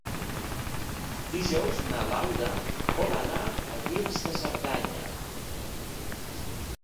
Dijous na Laura vol anar a Guils de Cerdanya.